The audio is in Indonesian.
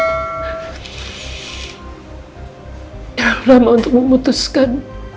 terlalu lama untuk memutuskan